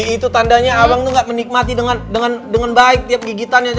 itu tandanya abang itu nggak menikmati dengan baik tiap gigitannya